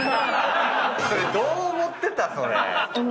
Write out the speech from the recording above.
それどう思ってた？